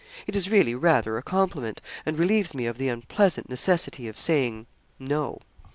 It is really rather a compliment, and relieves me of the unpleasant necessity of saying no.'